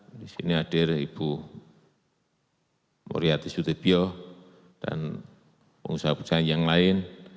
di sini hadir ibu muriati sutibio dan pengusaha pengusaha yang lain